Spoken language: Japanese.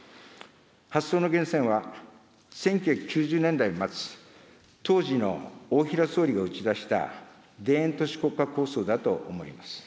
発想の源泉は、１９９０年代末、当時の大平総理が打ち出した田園都市国家構想だと思います。